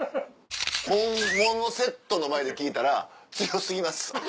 本物のセットの前で聴いたら強過ぎます。